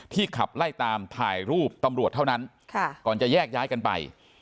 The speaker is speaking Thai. ขับไล่ตามถ่ายรูปตำรวจเท่านั้นก่อนจะแยกย้ายกันไป